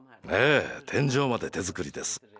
ええ天井まで手作りです。